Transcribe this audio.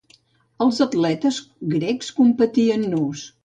Els atletes grecs competien nus.